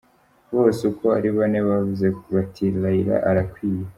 "Bose ukwo ari bane bavuze bati Raila arakwiye.